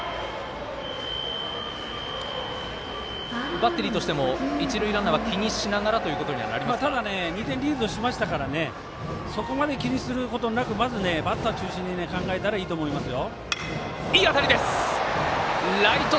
バッテリーとしても一塁ランナーをただ、２点リードしましたからそこまで気にすることなくまずバッター中心に考えたらいいと思いますよ。